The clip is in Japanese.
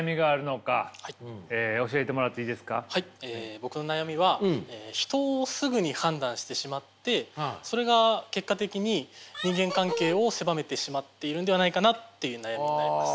僕の悩みは人をすぐに判断してしまってそれが結果的に人間関係を狭めてしまっているのではないかなっていう悩みになります。